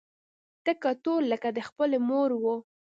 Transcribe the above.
تک تور لکه د خپلې مور و.